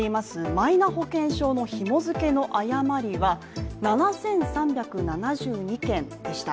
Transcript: マイナ保険証のひも付けの誤りは７３７２件でした。